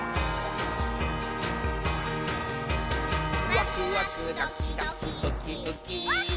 「ワクワクドキドキウキウキ」ウッキー。